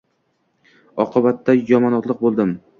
Oqibatda yomonotliq bo‘ldim